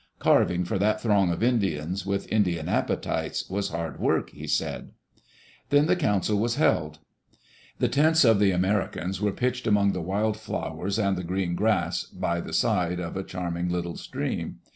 Carving for that throng of Indians, with Indian appetites, was hard work, he said. Then the council was held. The tents of the Americans were pitched among the wild flowers and the green grass by the side of a charming little stream.